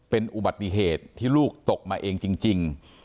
เป็นอุบัติเหตุที่ลูกตกมาเองจริง